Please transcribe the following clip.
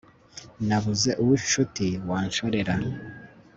nabuze uw'incuti wanshorera